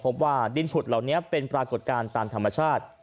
พบว่าดินผุดเหล่านี้เป็นปรากฏการณ์ตามธรรมชาติ